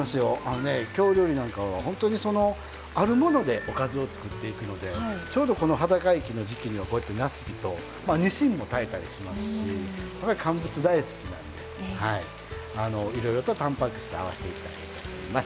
京料理なんかは本当にあるものでおかずを作っていくのでちょうどこの時季にはなすびとニシンも炊いたりしますし乾物大好きなんでいろいろと、たんぱく質に合わせていったらいいと思います。